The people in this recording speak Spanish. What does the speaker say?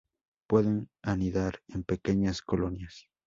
Pueden anidar en pequeñas colonias.